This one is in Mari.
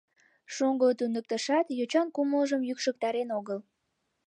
Шоҥго туныктышат йочан кумылжым йӱкшыктарен огыл.